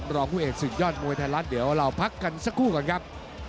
รองผู้เอกศึกยอดมวยไทยรัฐเดี๋ยวเราพักกันสักครู่ก่อนครับ